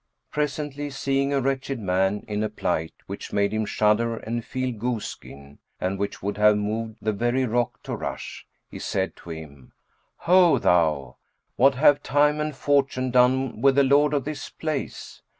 Presently, seeing a wretched man, in a plight which made him shudder and feel goose skin, and which would have moved the very rock to rush, he said to him, "Ho thou! What have time and fortune done with the lord of this place?